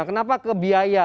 kenapa ke biaya